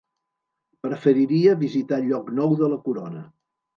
Preferiria visitar Llocnou de la Corona.